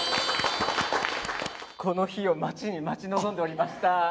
この日を待ちに待ち望んでおりました。